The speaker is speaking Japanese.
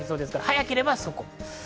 早ければそこから。